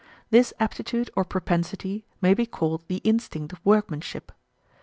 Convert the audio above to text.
This aptitude or propensity may be called the instinct of workmanship.